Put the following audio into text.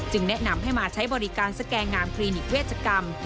แนะนำให้มาใช้บริการสแกงามคลินิกเวชกรรม